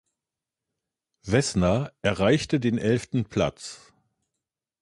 Vesna erreichte den elften Platz.